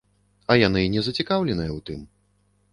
А яны не зацікаўленыя ў тым.